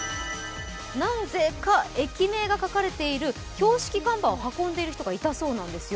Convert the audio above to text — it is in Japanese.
なぜか駅名が書かれている標識看板を運んでいる人がいたそうなんですよ。